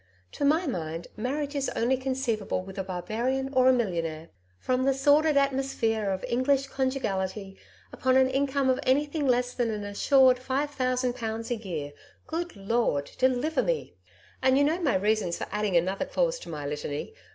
To my mind marriage is only conceivable with a barbarian or a millionaire. From the sordid atmosphere of English conjugality upon an income of anything less than an assured 5,000 pounds a year, good Lord deliver me! And you know my reasons for adding another clause to my litany.